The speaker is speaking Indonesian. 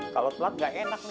kalau telat gak enak nih